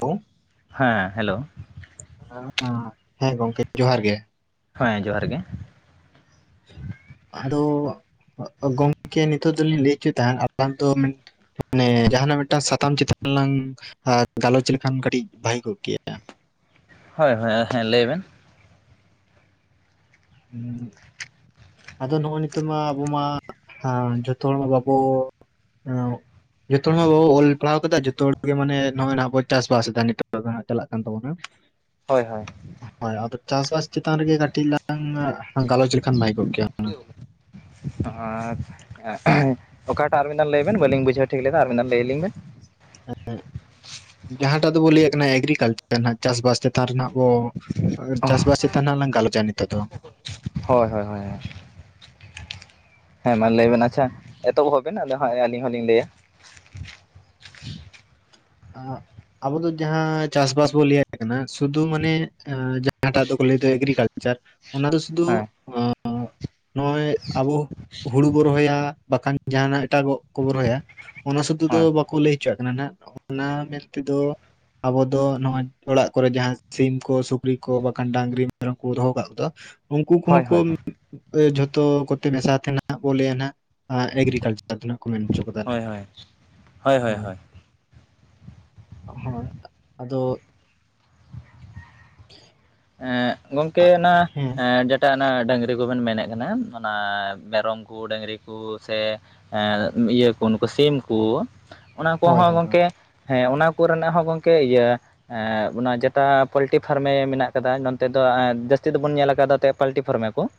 ᱛᱩᱝ ᱦᱮᱸ ᱦᱮᱞᱳ ᱦᱮᱸ ᱜᱚᱝᱠᱮ ᱡᱚᱦᱟᱨ ᱜᱮ ᱦᱮᱸ ᱡᱚᱦᱟᱨ ᱜᱮᱸ ᱟᱫᱚ ᱜᱚᱝᱠᱮ ᱱᱤᱛᱚᱜ ᱫᱚᱞᱤᱧ ᱞᱟᱹᱭ ᱦᱚᱪᱚᱭᱮᱫ ᱛᱟᱷᱮᱫ ᱟᱞᱟᱝ ᱫᱚ ᱢᱟᱱᱮ ᱢᱟᱱᱮ ᱡᱟᱦᱟᱱᱟᱜ ᱢᱤᱫᱴᱟᱝ ᱥᱟᱛᱟᱢ ᱪᱮᱛᱟᱱ ᱨᱮᱞᱟᱝ ᱟᱨ ᱜᱟᱞᱚᱪ ᱞᱮᱠᱷᱟᱱ ᱠᱟᱹᱴᱤᱡ ᱵᱷᱟᱹᱜᱤ ᱠᱚᱜ ᱠᱮᱭᱟ ᱦᱳᱭ ᱦᱳᱭ ᱦᱮᱸ ᱞᱟᱹᱭ ᱵᱮᱱ ᱦᱩᱸ ᱟᱫᱚ ᱱᱚᱜᱼᱚᱭ ᱱᱤᱛᱚᱜ ᱢᱟ ᱟᱵᱚ ᱢᱟ ᱡᱚᱛᱚ ᱦᱚᱲ ᱢᱟ ᱵᱟᱵᱚ ᱡᱚᱛᱚ ᱦᱚᱲ ᱵᱟᱵᱚ ᱚᱞ ᱯᱟᱲᱦᱟᱣ ᱠᱟᱫᱟ ᱡᱚᱛᱚ ᱦᱚᱲ ᱜᱮ ᱢᱟᱱᱮ ᱱᱚᱜᱼᱚᱭ ᱱᱟᱟᱜ ᱵᱚ ᱪᱟᱥᱵᱥ ᱮᱫᱟ ᱱᱤᱛᱚᱜᱟᱨ ᱫᱚᱟᱜ ᱪᱟᱞᱟᱜ ᱠᱟᱱ ᱛᱟᱵᱚᱱᱟ [inaudible] ᱦᱳᱭ ᱦᱳᱭ ᱦᱳᱭ ᱟᱫᱚ ᱪᱟᱥᱵᱟᱥ ᱪᱮᱛᱟᱱ ᱨᱮᱜᱮ ᱠᱟᱹᱴᱤᱡ ᱞᱟᱝ ᱜᱟᱞᱚᱪ ᱞᱮᱠᱷᱟᱱ ᱵᱷᱟᱭ ᱠᱚᱜ ᱠᱮᱭᱟ [inaudible] ᱟᱨ ᱚᱠᱟᱴᱟᱜ ᱟᱨᱵᱮᱱ ᱫᱷᱟᱶ ᱞᱟᱹᱭ ᱵᱮᱱ ᱵᱟᱹᱞᱤᱧ ᱵᱩᱡᱷᱟᱹᱣ ᱴᱷᱤᱠ ᱞᱮᱫᱟ ᱟᱨ ᱢᱮᱫᱟᱱ ᱞᱟᱹᱭ ᱟᱹᱞᱤᱧ ᱵᱮᱱ ᱡᱟᱦᱟᱸᱴᱟᱜ ᱫᱚᱵᱚ ᱞᱟᱹᱭᱮᱫ ᱠᱟᱱᱟ ᱮᱜᱽᱨᱤᱠᱟᱞᱪᱟᱨ ᱨᱮᱱᱟᱜ ᱪᱟᱥᱵᱟᱥ ᱪᱮᱛᱟᱱ ᱨᱮᱱᱟᱜ ᱵᱚ ᱟᱨ ᱪᱟᱥᱵᱟᱥ ᱪᱮᱛᱟᱱ ᱦᱜ ᱞᱟᱝ ᱜᱟᱞᱚᱪᱼᱟ ᱱᱤᱛᱚᱜ ᱫᱚ ᱦᱳᱭ ᱦᱳᱭ ᱦᱳᱭ ᱦᱮᱸ ᱢᱟ ᱞᱟᱹᱭ ᱵᱮᱱ ᱟᱪᱪᱷᱟ ᱮᱛᱚᱦᱚᱵ ᱵᱮᱱ ᱟᱫᱚ ᱦᱟᱸᱜ ᱟᱹᱞᱤᱧ ᱦᱚᱞᱤᱧ ᱞᱟᱹᱭᱟ ᱟᱜ ᱟᱵᱚ ᱫᱚ ᱡᱟᱦᱟᱸ ᱪᱟᱥᱵᱟᱥ ᱵᱚᱱ ᱞᱟᱹᱭᱟᱭ ᱠᱟᱱᱟ ᱥᱩᱫᱷᱩ ᱢᱟᱱᱮ ᱡᱟᱦᱟᱸᱴᱟᱜ ᱫᱚᱠᱚ ᱞᱟᱹᱭᱫᱟ ᱮᱜᱨᱤᱠᱟᱞᱪᱟᱨ᱾ ᱚᱱᱟ ᱫᱚ ᱥᱩᱫᱩ ᱦᱮᱸ ᱱᱚᱜᱼᱚᱭ ᱟᱵᱚ᱾ ᱦᱩᱲᱩ ᱵᱚ ᱨᱚᱦᱚᱭᱟ ᱵᱟᱠᱷᱟᱱ ᱡᱟᱦᱱᱟᱜ ᱮᱴᱟᱜᱚᱜ ᱠᱚᱵᱚ ᱨᱚᱦᱚᱭᱟ ᱚᱱᱟ ᱥᱩᱫᱩ ᱫᱚ ᱦᱳᱭ ᱵᱟᱠᱚ ᱞᱟᱹᱭ ᱦᱚᱪᱚᱣᱟᱜ ᱠᱟᱱᱟ ᱚᱱᱟ ᱢᱮᱱᱛᱮᱫᱚ ᱟᱵᱚ ᱫᱚ ᱱᱚᱣᱟᱜ ᱚᱲᱟᱜ ᱠᱚᱨᱮ ᱡᱟᱦᱟᱸ ᱥᱤᱢ ᱠᱚ ᱥᱩᱠᱨᱤ ᱠᱚ ᱵᱟᱠᱷᱟᱱ ᱰᱟᱝᱨᱤ ᱢᱮᱨᱚᱢ ᱠᱚ ᱫᱚᱦᱚ ᱠᱟᱜ ᱠᱚᱫᱟ᱾ ᱩᱱᱠᱩ ᱠᱚᱦᱚᱸ ᱦᱳᱭ ᱠᱚ᱾ ᱦᱳᱭ ᱦᱳᱭ ᱡᱷᱚᱛᱚ ᱠᱚᱛᱮ ᱢᱮᱥᱟ ᱛᱟᱦᱮᱸᱱᱟᱜ ᱞᱟᱹᱭ ᱟᱜ ᱱᱟᱜ ᱮᱜᱨᱤᱠᱟᱞᱪᱟᱨ ᱢᱮᱱ ᱦᱚᱪᱚ ᱠᱟ ᱦ ᱦᱳᱭ ᱦᱳᱭ ᱦᱳᱭ ᱦᱚᱭ ᱟᱫᱚ [inaudible] ᱮ‍ᱸ ᱜᱚᱝᱠᱮ ᱚᱱᱟ ᱦᱮᱸ ᱮᱸ ᱮᱴᱟᱜᱱᱟᱜ ᱰᱟᱹᱝᱨᱤ ᱠᱚᱵᱮᱱ ᱢᱮᱱᱮᱫ ᱠᱟᱱᱟ ᱚᱱᱟ ᱢᱮᱨᱚᱢ ᱠᱚ ᱰᱟᱹᱝᱨᱤ ᱠᱚ ᱥᱮ ᱦᱮᱸ ᱤᱭᱟᱹ ᱠᱚ ᱱᱩᱠᱩ ᱥᱤᱢ ᱠᱚ ᱚᱱᱟ ᱦᱳᱭ ᱠᱚᱦᱚᱸ ᱦᱳᱭ ᱦᱳᱭ ᱜᱚᱝᱠᱮ ᱦᱮᱸ ᱚᱱᱟ ᱠᱚᱨᱮᱱᱟᱜ ᱦᱚᱸ ᱜᱚᱢᱠᱮ ᱤᱭᱟᱹ ᱚᱱᱟ ᱡᱮᱴᱟ ᱯᱳᱞᱴᱤ ᱯᱷᱟᱨᱢᱮ ᱢᱮᱱᱟᱜ ᱠᱟᱫᱟ ᱱᱚᱱᱚᱛ ᱫᱚ ᱡᱟᱹᱥᱛᱤ ᱫᱚᱵᱚᱱ ᱧᱮᱞ ᱟᱠᱟᱫᱟ ᱛᱮ ᱯᱟᱞᱴᱤ ᱯᱷᱚᱨᱢᱮ ᱠᱚ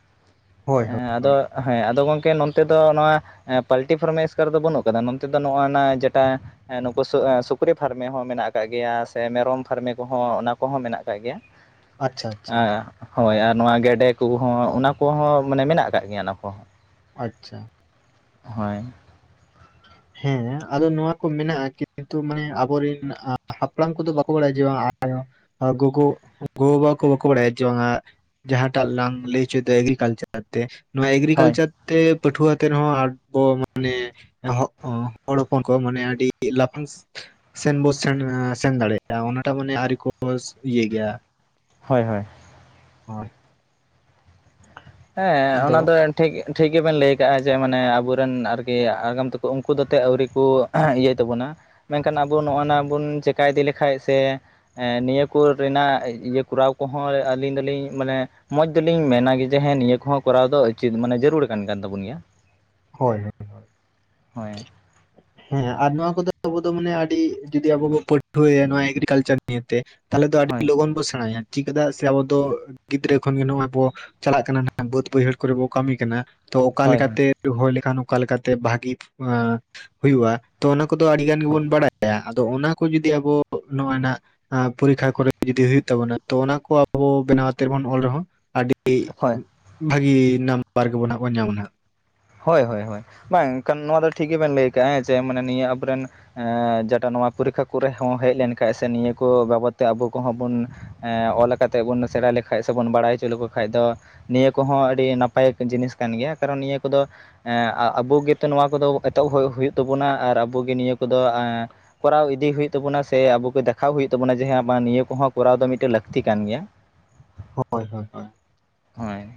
ᱦᱳᱭ ᱦᱳᱭ ᱦᱳᱭ ᱟᱫᱚ ᱦᱮᱸ ᱟᱫᱚ ᱜᱚᱢᱠᱮ ᱱᱚᱱᱚᱛᱮ ᱫᱚ ᱱᱚᱣᱟ ᱦᱮᱸ ᱯᱟᱞᱴᱤ ᱯᱷᱨᱢᱮ ᱮᱥᱠᱟᱨ ᱫᱚ ᱵᱟᱹᱱᱩᱜ ᱠᱟᱫᱟ ᱱᱚᱱᱛᱮ ᱫᱚ ᱱᱚᱜᱼᱚ ᱱᱚᱣᱟ ᱡᱮᱴᱟ ᱱᱩᱠᱩ ᱥᱩᱠᱨᱤ ᱯᱷᱟᱨᱢᱮ ᱦᱚᱸ ᱢᱮᱱᱟᱜ ᱠᱟᱜ ᱜᱮᱭᱟ ᱥᱮ ᱢᱮᱨᱚᱢ ᱯᱷᱟᱨᱢᱮ ᱠᱚᱦᱚᱸ ᱚᱱᱟ ᱠᱚᱦᱚᱸ ᱢᱮᱱᱟᱜ ᱠᱟᱜ ᱜᱮᱭᱟ ᱟᱪᱪᱷᱟ ᱟᱪᱪᱷᱟ ᱦᱳᱭ ᱟᱨ ᱱᱚᱣᱟ ᱜᱮᱰᱮ ᱠᱚᱦᱚᱸ ᱚᱱᱟ ᱠᱚᱦᱚᱸ ᱢᱟᱱᱮ ᱢᱮᱱᱟᱜ ᱠᱟᱜ ᱜᱮᱭᱟ ᱚᱱᱟ ᱠᱚᱦᱚᱸ ᱟᱪᱪᱷᱟ ᱦᱳᱭ ᱦᱮᱸ ᱟᱫᱚ ᱱᱚᱶᱟ ᱠᱚ ᱢᱮᱱᱟᱜᱼᱟ ᱠᱤᱱᱛᱩ ᱢᱟᱱᱮ ᱟᱵᱚᱨᱮᱱ ᱦᱟᱯᱲᱟᱢ ᱠᱚᱫᱚ ᱠᱩ ᱜᱚ ᱵᱟᱰᱟᱭᱟᱪᱷᱮ ᱵᱟᱸᱻᱟ ᱜᱚᱜᱚ ᱜᱳ ᱵᱟᱵᱟ ᱠᱚ ᱵᱟᱠᱚ ᱵᱟᱫᱟᱭᱟ ᱪᱷᱮ ᱵᱟᱝᱼᱟ ᱡᱟᱦᱟᱸᱴᱟᱜ ᱞᱟᱝ ᱞᱟᱹᱭ ᱦᱚᱪᱚᱭᱟ ᱮᱜᱨᱤᱠᱟᱞᱪᱟᱨ ᱛᱮ ᱱᱚᱣᱟ ᱦᱳᱭ ᱮᱜᱽᱨᱤᱠᱟᱞᱪᱟᱨ ᱛᱮ ᱯᱟᱹᱴᱷᱩᱣᱟᱹ ᱟᱛᱮᱜ ᱨᱮ ᱦᱚᱸ ᱟᱨ ᱠᱚ ᱢᱟᱱᱮ ᱮᱦᱚᱵᱽ ᱦᱚᱲ ᱦᱚᱯᱚᱱ ᱠᱚ ᱢᱟᱱᱮ ᱟᱹᱰᱤ ᱞᱟᱯᱷᱟᱝ ᱥᱮᱱ ᱵᱚᱱ ᱥᱮᱱ ᱥᱮᱱ ᱫᱟᱲᱮᱭᱟᱜᱼᱟ ᱚᱱᱟᱴᱟᱜ ᱢᱟᱱᱮ ᱟᱹᱣᱨᱤ ᱠᱚ ᱤᱭᱟᱹ ᱜᱮᱭᱟ ᱦᱳᱭ ᱦᱳᱭ ᱦᱳᱭ ᱦᱮᱸ ᱟᱫᱚ ᱚᱱᱟ ᱫᱚ ᱴᱷᱤᱠ ᱴᱷᱤᱠ ᱜᱮᱵᱮᱱ ᱞᱟᱹᱭ ᱟᱠᱟᱫᱼᱟ ᱡᱮ ᱢᱟᱱᱮ ᱟᱵᱚᱨᱮᱱ ᱟᱨᱠᱤ ᱟᱸᱜᱟᱢ ᱛᱟᱠᱚ ᱩᱱᱠᱩ ᱫᱚᱛ ᱟᱹᱣᱨᱤ ᱠᱚ ᱤᱭᱟᱹᱭ ᱛᱟᱵᱚᱱᱟ ᱢᱮᱱᱠᱷᱟᱱ ᱟᱵᱚ ᱱᱚᱜᱼ ᱱᱟ ᱵᱚᱱ ᱪᱤᱠᱠᱟ ᱤᱫᱤ ᱞᱮᱠᱷᱟᱱ ᱥᱮ ᱱᱤᱭᱟᱹ ᱠᱚᱨᱮᱱᱟᱜ ᱤᱭᱟᱹ ᱠᱚᱨᱟᱣ ᱠᱚᱦᱚᱸ ᱟᱹᱞᱤᱧ ᱫᱚᱞᱤᱧ ᱢᱟᱱᱮ ᱢᱚᱡᱽ ᱫᱚᱞᱤᱧ ᱢᱮᱱᱟ ᱜᱮ ᱡᱮ ᱦᱮᱸ ᱱᱤᱭᱟᱹ ᱠᱚᱦᱚᱸ ᱠᱚᱨᱟᱣ ᱫᱚ ᱩᱪᱤᱛ ᱢᱟᱱᱮ ᱡᱟᱹᱨᱩᱲ ᱠᱟᱱ ᱛᱟᱵᱚᱱ ᱜᱮᱭᱟ ᱦᱳᱭ ᱦᱳᱭ ᱦᱮᱸ ᱟᱨ ᱱᱚᱣᱟ ᱠᱚᱫᱚ ᱟᱵᱚ ᱫᱚ ᱢᱟᱱᱮ ᱟᱹᱰᱤ ᱡᱩᱫᱤ ᱟᱵᱚ ᱵᱚ ᱯᱟᱹᱴᱷᱩᱣᱟᱹᱭᱟ ᱱᱚᱣᱟ ᱮᱜᱨᱤᱠᱟᱞᱪᱟᱨ ᱱᱤᱭᱟ. ᱛᱮ ᱛᱟᱦᱚᱞᱮ ᱟᱹᱰᱤ ᱦᱳᱭ ᱞᱚᱜᱚᱱ ᱵᱚᱱ ᱥᱮᱬᱟᱭᱟ ᱪᱤᱠᱮᱫᱟᱜ ᱥᱮ ᱟᱵᱚ ᱫᱚ ᱜᱤᱫᱽᱨᱟᱹ ᱠᱷᱚᱱ ᱜᱮ ᱱᱚᱜ ᱚᱭ ᱵᱚ ᱪᱟᱞᱟᱜ ᱠᱟᱱᱟ ᱵᱟᱹᱫ ᱵᱟᱹᱭᱦᱟᱹᱲ ᱠᱚᱨᱮ ᱵᱚ ᱠᱟᱹᱢᱤ ᱠᱟᱱᱟ ᱛᱚ ᱚᱠᱟᱞᱮ ᱦᱳᱭ ᱞᱮᱠᱟᱛᱮ ᱦᱳᱭ ᱨᱚᱦᱚᱭ ᱞᱮᱠᱷᱟᱱ ᱚᱠᱟ ᱞᱮᱠᱟᱛᱮ ᱵᱷᱟᱜᱤ ᱦᱩᱭᱩᱜᱭᱼᱟ ᱛᱚ ᱚᱱᱟ ᱠᱚᱫᱚ ᱟᱹᱰᱤ ᱜᱟᱱ ᱜᱮᱵᱚᱱ ᱵᱟᱲᱟᱭᱟ ᱟᱫᱚ ᱚᱱᱟ ᱠᱚ ᱡᱩᱫᱤ ᱟᱵᱚ ᱱᱚᱜ ᱚᱣ ᱱᱟᱜ ᱯᱚᱨᱤᱠᱠᱷᱟ ᱠᱚᱨᱮ ᱡᱩᱫᱤ ᱦᱩᱭᱩᱜ ᱛᱟᱵᱚᱱᱟ ᱛᱚ ᱚᱱᱟ ᱠᱚ ᱟᱵᱚ ᱵᱮᱱᱟᱣ ᱠᱟᱛᱮᱵᱚᱱ ᱚᱞ ᱨᱮᱦᱚᱸ ᱟᱹᱰᱤ ᱦᱳᱭ ᱵᱷᱟᱹᱜᱤ ᱱᱟᱢᱵᱟᱨ ᱜᱮᱵᱚ ᱱᱟᱜ ᱵᱚᱱ ᱧᱟᱢᱟ ᱱᱟᱜ ᱦᱳᱭ ᱦᱳᱭ ᱦᱳᱭ ᱵᱟᱝ ᱮᱱᱠᱷᱟᱱ ᱱᱚᱣᱟ ᱫᱚ ᱴᱷᱤᱠ ᱜᱮᱵᱮᱱ ᱞᱟᱹᱭ ᱟᱠᱟᱜᱼᱟᱸ ᱦᱮᱸᱪᱮ ᱱᱤᱭᱟᱹ ᱟᱵᱚᱨᱮᱱ ᱡᱮᱴᱟ ᱱᱚᱣᱟ ᱯᱚᱨᱤᱠᱠᱷᱟ ᱠᱚᱨᱮ ᱦᱚᱸ ᱦᱮᱡ ᱞᱮᱱᱠᱷᱟᱡ ᱥᱮ ᱱᱤᱭᱟᱹ ᱠᱚ ᱵᱟᱵᱚᱫ ᱛᱮ ᱟᱵᱚ ᱠᱚᱦᱚᱸ ᱵᱚᱱ ᱚᱞ ᱠᱟᱛᱮᱮᱫ ᱵᱚᱱ ᱥᱮᱬᱟ ᱞᱮᱠᱷᱟᱡ ᱥᱮᱵᱚᱱ ᱵᱟᱲᱟᱭ ᱦᱚᱪᱚ ᱞᱮᱠᱚ ᱠᱷᱟᱱ ᱫᱚ ᱱᱤᱭᱟᱹ ᱠᱚᱦᱚᱸ ᱟᱹᱰᱤ ᱱᱟᱯᱟᱭ ᱡᱤᱱᱤᱥ ᱠᱟᱱ ᱜᱮᱭᱟ ᱠᱟᱨᱚᱱ ᱱᱤᱭᱟᱹ ᱠᱚᱫᱚ ᱟᱵᱚ ᱜᱮᱛᱚ ᱱᱚᱣᱟ ᱠᱚᱫᱚ ᱮᱛᱚᱦᱚᱵ ᱦᱩᱭᱩᱜ ᱛᱟᱵᱚᱱᱟ ᱟᱨ ᱟᱵᱚᱜᱮ ᱱᱤᱭᱟᱹ ᱠᱚᱫᱚ ᱠᱚᱨᱟᱣ ᱤᱫᱤ ᱦᱩᱭᱩᱜ ᱛᱟᱵᱚᱱᱟ ᱥᱮ ᱟᱵᱚ ᱠᱚ ᱠᱚᱨᱟᱣ ᱤᱫᱤ ᱦᱩᱭᱩᱜ ᱛᱟᱵᱚᱱᱟᱥᱮ ᱱᱤᱭᱟ. ᱠᱚᱫᱚ ᱫᱮᱷᱟᱣ ᱦᱩᱭᱩᱜ ᱛᱟᱵᱚᱱᱟ ᱡᱮᱮ ᱱᱤᱭᱟᱹ ᱠᱚᱦᱚᱸ ᱠᱚᱨᱟᱣ ᱫᱚ ᱢᱤᱫᱴᱮᱱ ᱞᱟᱹᱠᱛᱤ ᱠᱟᱱ ᱜᱮᱭᱟ ᱦᱳᱭ ᱦᱳᱭ ᱦ ᱦᱳᱭ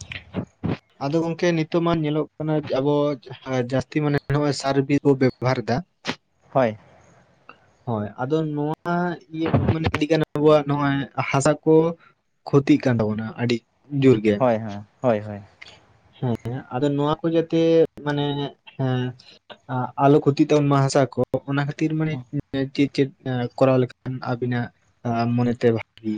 [unintelligible] ᱟᱫᱚ ᱜᱚᱝᱠᱮ ᱱᱤᱛᱚᱜ ᱢᱟ ᱧᱮᱞᱚᱜ ᱠᱟᱱᱟ ᱟᱵᱚ ᱡᱟᱹᱥᱛᱤ ᱢᱟ ᱱᱚᱜ ᱚᱭ ᱥᱟᱨᱵᱤ ᱵᱮ ᱵᱷᱟᱨ ᱫᱟ ᱦᱳᱭ [unintelligible] ᱦᱳᱭ ᱟᱫᱚ ᱱᱚᱣᱟ ᱤᱭᱟᱹ ᱢᱟᱱᱮ ᱤᱰᱤᱜᱟᱱ ᱟᱵᱚᱣᱟᱜ ᱱᱚᱜᱼᱚᱭ ᱦᱟᱥᱟ ᱠᱚ ᱠᱷᱩᱛᱤᱜ ᱠᱟᱱ ᱛᱟᱵᱚᱱᱟ ᱟᱹᱰᱤ ᱡᱳᱨ ᱜᱮ ᱦᱮᱸ ᱦᱳᱭ ᱦᱳᱭ ᱦᱮᱸ ᱟᱫᱚ ᱱᱚᱣᱟ ᱠᱚ ᱡᱮᱛᱮ ᱢᱟᱱᱮ ᱦᱮᱸ ᱟᱞᱚ ᱠᱷᱩᱛᱤ ᱛᱵᱚᱱ ᱢᱟ ᱦᱟᱥᱟ ᱠᱚ ᱚᱱᱟ ᱠᱷᱟᱹᱛᱤᱨ ᱠᱷᱟᱹᱛᱤᱨ ᱢᱟᱱᱮ ᱪᱮᱫ ᱪᱮᱫ ᱠᱚᱨᱟᱣ ᱞᱮᱠᱷᱟᱱ ᱟᱵᱤᱱᱟᱜ ᱢᱚᱱᱮᱛᱮ ᱵᱷᱟᱜᱤ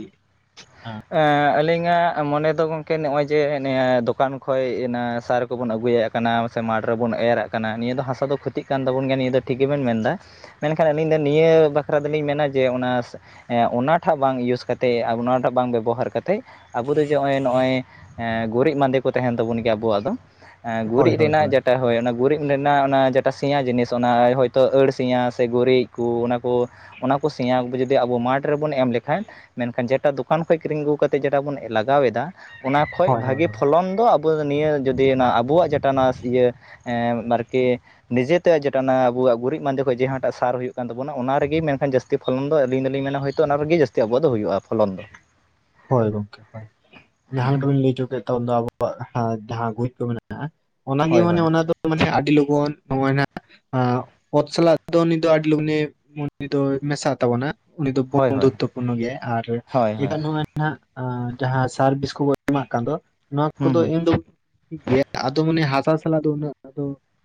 ᱟᱹᱞᱤᱧᱟᱜ ᱢᱚᱱᱮ ᱫᱚ ᱜᱚᱢᱠᱮ ᱱᱚᱜᱼᱚᱭ ᱡᱮ ᱱᱤᱭᱟᱹ ᱫᱚᱠᱟᱱ ᱠᱷᱚᱡ ᱚᱱᱟ ᱥᱟᱨ ᱠᱚᱵᱚᱱ ᱟᱹᱜᱩᱭᱟ ᱠᱟᱱᱟ ᱥᱮ ᱢᱟᱴᱷ ᱨᱮᱵᱚᱱ ᱮᱨᱟᱜ ᱠᱟᱱᱟ ᱱᱤᱭᱟᱹ ᱫᱚ ᱦᱟᱥᱟ ᱫᱚ ᱠᱷᱩᱚᱛᱜ ᱠᱟᱱ ᱛᱟᱵᱚᱱ ᱜᱮᱭᱟ ᱱᱤᱭᱟᱹ ᱫᱚ ᱴᱷᱤᱠ ᱜᱮᱵᱮᱱ ᱢᱮᱱᱫᱟ᱾ ᱢᱮᱱᱠᱷᱟᱱ ᱟᱹᱞᱤᱧ ᱫᱚ ᱱᱤᱭᱟᱹ ᱵᱟᱠᱷᱨᱟ ᱫᱚᱞᱤᱧ ᱢᱮᱱᱟ ᱡᱮ ᱚᱱᱟ ᱚᱱᱟᱴᱷᱟᱜ ᱵᱟᱝ ᱤᱭᱩᱥ ᱠᱟᱛᱮᱮᱫ ᱚᱱᱟᱴᱟᱜ ᱵᱟᱝ ᱵᱮᱵᱚᱦᱟᱨ ᱠᱟᱛᱮᱜ ᱟᱵᱚ ᱫᱚ ᱡᱮ ᱱᱚᱜᱼᱚᱭ ᱱᱚᱜᱼᱚᱭ ᱜᱩᱨᱤᱡ ᱵᱟᱟᱸᱫᱮ ᱠᱚ ᱛᱟᱦᱮᱱ ᱛᱟᱵᱚᱱ ᱜᱮᱭᱟ ᱟᱵᱚᱣᱟᱜ ᱫᱚ ᱦᱳᱭ ᱜᱩᱨᱤᱡ ᱦᱳᱭ ᱨᱮᱱᱟᱜ ᱡᱮᱴ ᱴᱟ ᱦᱳᱭ ᱚᱱᱟ ᱜᱩᱨᱤᱡ ᱨᱮᱱᱟᱜ ᱚᱱᱟ ᱡᱮᱴᱟ ᱥᱮᱭᱟ ᱡᱤᱱᱤᱥ ᱚᱱᱟ ᱦᱚᱳᱭᱛᱳ ᱟᱹᱬ ᱥᱮᱭᱟ ᱥᱮ ᱜᱩᱨᱤᱡ ᱠᱩ ᱚᱱᱟ ᱠᱚ ᱚᱱᱟ ᱠᱚ ᱥᱮᱭᱟ ᱡᱩᱫᱤ ᱟᱵᱚ ᱢᱟᱴᱷ ᱨᱮᱵᱚᱱ ᱮᱢ ᱞᱮᱠᱷᱟᱱ ᱢᱮᱱᱠᱷᱟᱱ ᱡᱮᱴᱟ ᱫᱚᱠᱟᱱ ᱫᱚᱠᱟᱱ ᱠᱷᱚᱱ ᱠᱤᱨᱤᱧ ᱟᱹᱜᱩ ᱠᱟᱛᱮ ᱡᱮᱴᱟ ᱵᱚᱱ ᱞᱟᱜᱟᱣ ᱮᱫᱟ ᱚᱱᱟ ᱠᱷᱚᱱ ᱦᱳᱭ ᱦᱳᱭ ᱵᱷᱟᱹᱜᱤ ᱦᱳᱭ ᱯᱷᱚᱞᱚᱱ ᱫᱚ ᱟᱵᱚ ᱟᱚ ᱱᱤᱭᱟᱹ ᱡᱩᱫᱤ ᱚᱱᱟ ᱟᱵᱚᱣᱟᱜ ᱡᱮᱴᱟᱟᱱᱟ ᱤᱭᱟᱹ ᱵᱟᱨᱠᱤ ᱱᱤᱡᱮᱛᱮ ᱡᱮᱴᱟ ᱚᱱᱟ ᱟᱵᱚᱣᱟᱜ ᱜᱩᱨᱤᱡ ᱢᱟᱸᱫᱮ ᱠᱷᱚᱱ ᱡᱟᱦᱟᱸᱴᱟᱜ ᱥᱟᱨ ᱦᱩᱭᱩᱜ ᱠᱟᱱ ᱛᱟᱵᱚᱱᱟ ᱚᱱᱟ ᱨᱮᱜᱮ ᱢᱮᱱᱠᱷᱟᱱ ᱡᱟᱹᱛᱤᱼᱼ ᱡᱥᱛᱤ ᱯᱷᱚᱞᱚᱱ ᱫᱚ ᱟᱹᱞᱤᱧ ᱫᱚᱞᱤᱧ ᱢᱮᱱᱟ ᱦᱚᱭᱛᱳ ᱚᱱᱟ ᱨᱮᱜᱮ ᱡᱥᱛᱤ ᱟᱵᱚᱣᱟᱜ ᱫᱚ ᱦᱩᱭᱩᱜᱼᱟ ᱯᱷᱚᱞᱚᱱ ᱫᱚᱼᱼ ᱦᱳᱭ ᱜᱚᱝᱠᱮ ᱦᱳᱭ ᱡᱟᱦᱟᱸ ᱞᱮᱠᱟᱵᱤᱱ ᱞᱟᱹᱭ ᱦᱚᱪ ᱠᱮᱫ ᱛᱚᱱ ᱫᱚ ᱟᱵᱚᱣᱟᱜ ᱡᱟᱦᱟᱸ ᱜ ᱠᱚ ᱢᱮᱱᱟᱜᱼᱟ᱾ ᱚᱱᱟᱜᱮ ᱦᱳᱭ ᱢᱟᱱᱮ ᱦᱳᱭ ᱚᱱᱟ ᱫᱚ ᱢᱟᱱᱮ ᱟᱹᱰᱤ ᱞᱚᱜᱚᱱ ᱱᱚᱜᱚᱭᱱᱟᱼᱼ ᱚᱛ ᱥᱟᱞ ᱫᱚ ᱩᱱᱤ ᱫᱚ ᱟᱹᱰᱤ ᱞᱩᱜᱽᱱᱤ ᱩᱱᱤ ᱫᱚ ᱢᱮᱥᱟᱜ ᱛᱟᱵᱚᱱᱟ᱾ ᱩᱱᱤ ᱫᱚ ᱦᱳᱭ ᱦᱳᱭ ᱵᱚᱱᱫᱩᱛᱚ ᱯᱩᱨᱱᱚ ᱜᱮᱟᱭ ᱟᱨ ᱦᱳᱭ ᱦᱳᱭ ᱮᱴᱟᱱᱼᱼ ᱦ ᱡᱟᱦᱟᱸ ᱥᱟᱨᱵᱷᱤᱥ ᱠᱚᱵᱚᱱ ᱮᱢᱟᱜ ᱠᱟᱱ ᱫᱚ ᱱᱚᱣᱟ ᱦᱩᱸ ᱠᱚᱫᱚ ᱦᱩᱸ ᱤᱧ ᱫᱚᱼᱼ ᱴᱷᱤᱠ ᱜᱮᱮᱭᱟ ᱟᱫᱚ ᱢᱟᱱᱮ ᱦᱟᱥᱟ ᱥᱟᱞᱟᱜ ᱫᱚ ᱩᱱᱟᱜ ᱟ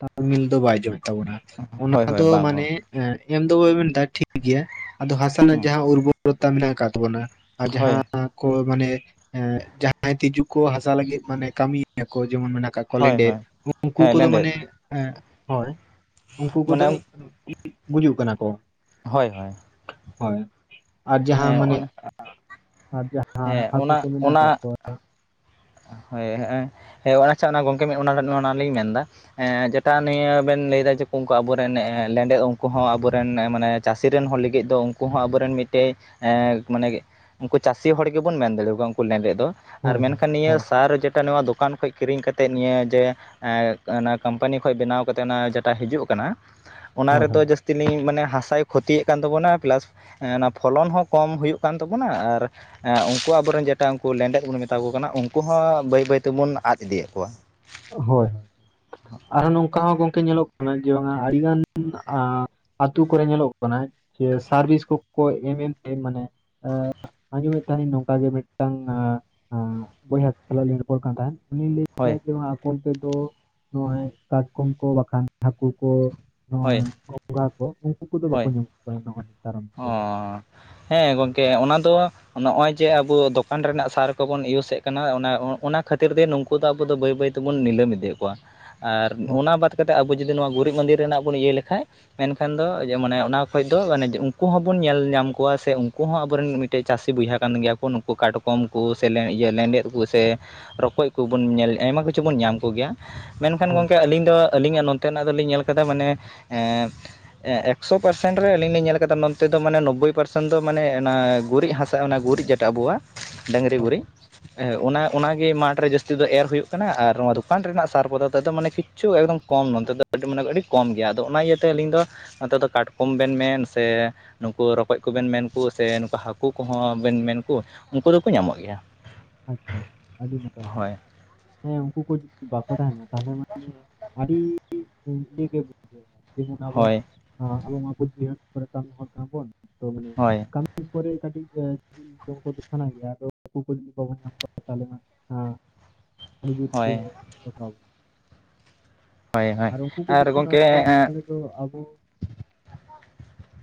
ᱛᱟᱞᱢᱤᱞ ᱫᱚ ᱵᱟᱭ ᱡᱚᱢ ᱛᱟᱵᱚᱱᱟ᱾ ᱚᱱᱟ ᱦᱳᱭ ᱦᱳᱭ ᱫᱚ ᱵᱟᱝ ᱢᱟᱱᱮ ᱵᱟᱝ ᱮᱢ ᱫᱚ ᱵᱟᱵ ᱢᱮᱱᱫᱟ ᱴᱷᱤᱠ ᱜᱮᱭᱟ ᱟᱫᱚ ᱦᱟᱥᱟ ᱨᱮᱱᱟᱜ ᱦᱩᱸ ᱡᱟᱦᱟᱸ ᱩᱨᱵᱚᱨ ᱟ ᱢᱮᱱᱟᱜ ᱟᱠᱟᱫ ᱛᱟᱵᱚᱱᱟ ᱟᱨ ᱦᱳᱭ ᱡᱟᱦᱟᱸᱼᱼ ᱢᱟᱱᱮ ᱮ ᱡᱟᱦᱟᱸᱭ ᱛᱤᱡᱩ ᱠᱚ ᱦᱟᱥᱟ ᱞᱟᱹᱜᱤᱫ ᱢᱟᱱᱮ ᱠᱟᱹᱢᱤᱭᱟ ᱠᱚ ᱡᱮᱢᱚᱱ ᱢᱮᱱᱟᱜ ᱠᱟᱜ ᱠᱚᱣᱟᱼ- ᱦᱳᱭ ᱠᱚᱞᱮᱱᱰ ᱦᱳᱭ ᱩᱱᱠᱩ ᱦᱮᱸ ᱠᱚᱫᱚ ᱞᱮᱸᱰᱮᱫ ᱢᱟᱱᱮ ᱦᱳᱭ ᱩᱱᱠᱩ ᱠᱚᱫᱚᱼᱼ ᱢᱟᱱᱮ ᱜᱩᱡᱩᱜ ᱠᱟᱱᱟ ᱠᱚ ᱦᱳᱭ ᱦᱳᱭ ᱦᱳᱭ ᱟᱨ ᱡᱟᱦᱟᱸ ᱦᱮᱸ ᱢᱟᱱᱮᱼᱼ ᱚᱱᱟ ᱟᱨ ᱡᱟᱦᱟᱸ ᱦᱮᱸ ᱦᱟᱹᱠᱩ ᱚᱱᱟ ᱠᱚ ᱢᱮᱱᱟᱜ ᱚᱱᱟ ᱠᱫ ᱠᱚᱣᱟ᱾ ᱦᱳᱭ ᱦᱮᱸ ᱦᱮᱸ ᱟᱪᱷᱟ ᱜᱚᱢᱠᱮ ᱚᱱᱟ ᱚᱱᱟᱞᱤᱧ ᱢᱮᱱᱫᱟ? ᱡᱮᱴᱟ ᱱᱤᱭᱟᱹ ᱵᱮᱱ ᱞᱟᱹᱭᱫᱟ ᱡᱮ ᱩᱱᱠᱩ ᱟᱵᱚᱨᱮᱱ ᱞᱮᱸᱰᱮᱫ ᱩᱱᱠᱩ ᱦᱚᱸ ᱟᱵᱚᱨᱮᱱ ᱢᱟᱱᱮᱼᱼ ᱪᱟᱹᱥᱤᱤᱨᱮᱱ ᱦᱚᱲ ᱞᱟᱹᱜᱤᱫ ᱫᱚ ᱩᱱᱠᱩ ᱦᱚᱸ ᱟᱵᱚᱨᱮᱱ ᱢᱤᱫᱴᱮᱡ ᱢᱟᱱᱮᱼᱼ ᱩᱱᱠᱩ ᱪᱟᱹᱥᱤ ᱦᱚᱲ ᱜᱮᱵᱚᱱ ᱢᱮᱱ ᱫᱟᱲᱮ ᱟᱠᱠᱚᱣᱟ ᱩᱱᱠᱩ ᱢᱮᱱᱱᱨᱮᱜ ᱫᱚ᱾ ᱟᱨ ᱢᱮᱱᱠᱷᱟᱱ ᱦᱳᱭ ᱱᱤᱭᱟᱹ ᱦᱳᱭ ᱥᱟᱨ ᱡᱮᱴᱟ ᱱᱚᱣᱟ ᱫᱚᱠᱟᱱ ᱠᱷᱚᱱ ᱠᱤᱨᱤᱧ ᱠᱟᱛᱮᱫ ᱱᱤᱭᱟᱹ ᱡᱮ ᱚᱱᱟ ᱠᱳᱢᱯᱟᱱᱤ ᱠᱷᱚᱱ ᱵᱮᱱᱟᱣ ᱠᱟᱛᱮ ᱚᱱᱟ ᱡᱮᱴᱟ ᱦᱤᱡᱩᱜ ᱠᱟᱱᱟ ᱚᱱᱟ ᱦᱳᱭ ᱦᱳᱭ ᱨᱮᱫᱚ ᱡᱟᱹᱥᱛᱤᱼᱼ ᱛᱞᱤᱧ ᱢᱟᱱᱮ ᱦᱟᱥᱟᱭ ᱠᱷᱚᱛᱤ ᱭᱮᱫ ᱠᱟᱱ ᱛᱟᱵᱚᱱᱟ ᱯᱮᱞᱟᱥᱼᱼ ᱚᱱᱟ ᱯᱷᱚᱞᱚᱱ ᱦᱚᱸ ᱠᱚᱢ ᱦᱩᱭᱩᱜ ᱠᱟᱱ ᱛᱟᱵᱳᱱᱟ ᱟᱨ ᱩᱱᱠᱩ ᱟᱵᱚᱨᱮᱱ ᱡᱮᱴᱟ ᱩᱱᱠᱩ ᱞᱮᱸᱰᱮᱫ ᱵᱚᱱ ᱢᱮᱛᱟ ᱠᱚ ᱠᱟᱱᱟ ᱩᱱᱠᱩ ᱦᱚᱸ ᱵᱟᱹᱭ ᱵᱟᱹᱭ ᱛᱮᱵᱚᱱ ᱟᱫ ᱤᱫᱤᱭᱮᱫ ᱠᱚᱣᱟ᱾ ᱦᱳᱭ ᱦᱳᱭ ᱟᱨᱚᱸ ᱱᱚᱝᱠᱟ ᱦᱚᱸ ᱜᱚᱝᱠᱮ ᱧᱮᱞᱚᱜ ᱠᱟᱱᱟ ᱡᱮ ᱵᱟᱝᱟ ᱟᱹᱰᱤ ᱜᱟᱱᱼᱼ ᱟᱛᱳ ᱠᱚᱨᱮ ᱧᱮᱞᱚᱜ ᱠᱟᱱᱟ ᱡᱮ ᱥᱟᱨ ᱵᱷᱤᱥ ᱠᱚᱠᱚ ᱮᱢ ᱮᱢᱛᱮ ᱢᱟᱱᱮᱼᱼ ᱟᱡᱚᱢ ᱛᱟᱦᱮᱤᱧ ᱱᱚᱝᱠᱟ ᱜᱮ ᱢᱤᱫᱴᱟᱝ ᱵᱚᱭᱦᱟ ᱥᱟᱟᱞᱟᱜ ᱨᱚᱯᱚᱲ ᱠᱟᱱ ᱛᱟᱦᱮᱸᱫ ᱩᱱᱤᱼᱼ ᱦᱳᱭᱼᱼ ᱟᱠ ᱛᱮᱫᱚ ᱱᱚᱜᱚᱭ ᱠᱟᱴᱠᱚᱢ ᱠᱚ ᱵᱟᱠᱷᱟᱱ ᱦᱟᱹᱠᱩ ᱠᱚᱼᱼ ᱦᱳᱭ ᱵᱚᱸᱜᱟ ᱠᱚ ᱩᱱᱠᱩ ᱠᱚᱫᱚ ᱵᱟᱠᱚ ᱧᱟᱢ ᱱᱚᱜᱚᱭ ᱱᱮᱛᱟᱨᱟᱢ ᱾ ᱟᱨᱼᱼᱼ ᱦᱮᱸ ᱜᱚᱢᱠᱮ ᱚᱱᱟ ᱫᱚᱼᱼ ᱱᱚᱜ ᱚᱭ ᱡᱮ ᱟᱵᱚ ᱫᱚᱠᱟᱱ ᱨᱮᱱᱟᱜ ᱥᱟᱨ ᱠᱚᱵᱚᱱ ᱤᱭᱩᱥ ᱮᱮᱫ ᱠᱟᱱᱟ ᱚᱱᱟ ᱠᱷᱟᱹᱛᱤᱨ ᱛᱮ ᱩᱠᱩ ᱩᱱᱠᱩ ᱫᱚ ᱟᱵᱚ ᱫᱚ ᱵᱟᱹᱭ ᱵᱟᱹᱭ ᱛᱮᱵᱚᱱ ᱱᱤᱞᱟᱹᱢ ᱤᱫᱤᱭᱮᱫ ᱠᱚᱣᱟ ᱟᱨ ᱦᱳᱭ ᱚᱱᱟ ᱵᱟᱼᱼ ᱠᱟᱛᱮ ᱟᱵᱚ ᱡᱩᱫᱤ ᱱᱚᱣᱟ ᱜᱩᱨᱤᱡ ᱢᱟᱸᱫᱮ ᱨᱮᱱᱟᱜ ᱵᱚᱱ ᱤᱭᱟᱹ ᱞᱮᱠᱷᱷᱟᱡ ᱢᱮᱱᱠᱷᱟᱱ ᱫᱚ ᱢᱟᱱᱮ ᱚᱱᱟ ᱠᱷᱚᱡ ᱫᱚ ᱢᱟᱱᱮᱼᱼ ᱩᱱᱠᱩ ᱦᱚᱸᱵᱚᱱ ᱧᱮᱞ ᱧᱟᱢ ᱠᱚᱣᱟ ᱥᱮ ᱩᱱᱠᱩ ᱦᱚᱸ ᱟᱵᱚᱨᱮᱱ ᱢᱤᱫᱴᱮᱱ ᱪᱟᱹᱥᱤ ᱵᱚᱭᱦᱟ ᱠᱟᱱ ᱜᱮᱭᱟ ᱠᱚᱠᱩ ᱠᱟᱴ ᱠᱚᱼᱼ ᱠᱚᱢ ᱠᱚ ᱥᱮ ᱞᱮᱸᱰᱮᱫ ᱠᱚ ᱥᱮ ᱨᱚᱠᱚᱡ ᱠᱚᱵᱚᱱ ᱧᱮᱞ ᱟᱭᱢᱟ ᱠᱤᱪᱷᱩ ᱵᱚᱱ ᱧᱟᱢ ᱠᱚᱜᱮᱭᱟ᱾ ᱢᱮᱱ ᱠᱷᱟᱱ ᱦᱳᱭ ᱜᱚᱝᱠᱮ ᱟᱹᱞᱤᱧ ᱫᱚ᱾ ᱟᱹᱞᱤᱧᱟᱜ ᱱᱚᱱᱚᱛᱮ ᱱᱟᱜ ᱫᱚ ᱞᱤᱧ ᱧᱮᱞ ᱟᱼᱠᱟᱫᱟ ᱢᱟᱹᱱᱮ ᱮᱠᱥᱳ ᱯᱟᱨᱥᱮᱱ ᱨᱮ ᱟᱹᱞᱤᱧ ᱞᱤᱧ ᱧᱮᱞ ᱟᱼᱠᱟᱫᱟᱼᱼ ᱛᱮᱫᱚ ᱢᱟᱹᱱᱮ ᱱᱳᱵᱽᱵᱚᱭ ᱯᱟᱨᱥᱮᱱ ᱫᱚ ᱢᱟᱹᱱᱮ ᱚᱱᱟ ᱜᱩᱨᱤᱡ ᱦᱟᱥᱟᱹ ᱚᱱᱟ ᱜᱩᱨᱤᱡ ᱡᱮᱴᱟ ᱟᱵᱚᱣᱟᱜ ᱰᱟᱹᱝᱨᱤ ᱦᱳᱭ ᱜᱩᱨᱤᱡ ᱦᱳᱭ ᱦᱮ ᱚᱱᱟ ᱚᱱᱟ ᱜᱮ ᱢᱟᱴᱷ ᱨᱮ ᱡᱟᱹᱥᱛᱤ ᱫᱚ ᱮᱨ ᱦᱩᱭᱩᱜᱹ ᱠᱟᱱᱟ ᱟᱨ ᱱᱚᱣᱟ ᱫᱚᱠᱟᱱ ᱨᱮᱱᱟᱜ ᱥᱟᱨ ᱠᱚᱫᱚᱛᱚ ᱫᱚ ᱢᱟᱹᱱᱮ ᱠᱤ ᱠᱤᱹᱪᱷᱩ ᱮᱠᱫᱚᱢ ᱠᱚᱢ ᱱᱚᱛᱮ ᱫᱚ ᱢᱟᱹᱱᱮ ᱟᱹᱰᱤ ᱠᱚᱢ ᱜᱮᱭᱟ ᱟᱫᱚ ᱚᱱᱟ ᱤᱭᱟᱹᱛᱮ ᱟᱹᱞᱤᱧ ᱫᱚ ᱱᱚᱛᱮ ᱫᱚ ᱠᱟᱴᱠᱚᱢᱹ ᱵᱮᱱ ᱢᱮᱱ ᱥᱮ ᱱᱩᱠᱩ ᱨᱚᱠᱚᱡ ᱠᱚᱵᱮᱱ ᱢᱮᱱ ᱠᱚ ᱥᱮ ᱱᱩᱠᱩ ᱦᱟᱹᱠᱩ ᱠᱚᱦᱚᱸ ᱵᱮᱱ ᱢᱮᱱ ᱠᱚ ᱩᱱᱠᱩ ᱫᱚᱠᱚ ᱧᱟᱢᱚᱜ ᱜᱮᱭᱟ ᱟᱪᱷᱟᱹ ᱟᱹᱰᱤ ᱱᱟᱯᱟᱭ ᱦᱳᱭ ᱦᱮᱸ ᱩᱱᱠᱩ ᱠᱚ ᱡᱩᱫᱤ ᱵᱟᱠᱚ ᱛᱟᱦᱮᱱᱟᱹ ᱛᱟᱦᱚᱸᱞᱮ ᱢᱟᱹᱱᱮ ᱟᱹᱰᱤ [unintelligible] ᱡᱮᱢᱚᱱ ᱟᱵᱚ ᱦᱳᱭ ᱟᱵᱚ ᱢᱟ ᱵᱟᱹᱫᱽ ᱵᱟᱹᱭᱦᱟᱹᱲ ᱠᱚᱨᱮᱜ ᱠᱟᱹᱢᱤ ᱦᱚᱲ ᱠᱟᱱᱟ ᱵᱚᱱ ᱛᱚ ᱢᱟᱹᱱᱮ ᱦᱳᱭ ᱯᱚᱨᱮ ᱠᱟᱹᱴᱤᱡ [unintelligible] ᱵᱟᱵᱚᱱ ᱧᱟᱢ ᱠᱚᱣᱟ ᱛᱟᱦᱚᱸᱞᱮ ᱢᱟ ᱟᱹᱰᱤᱡᱳᱨ ᱜᱮ ᱦᱳᱭ ᱦᱳᱭ ᱦᱳᱭ ᱟᱨ ᱜᱚᱝᱠᱮ ᱛᱚ ᱟᱵᱚ